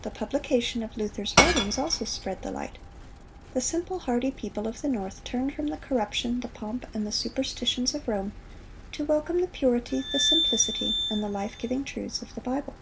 The publication of Luther's writings also spread the light. The simple, hardy people of the North turned from the corruption, the pomp, and the superstitions of Rome, to welcome the purity, the simplicity, and the life giving truths of the Bible.